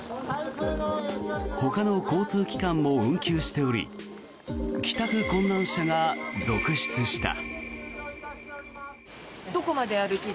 ほかの交通機関も運休しており帰宅困難者が続出した。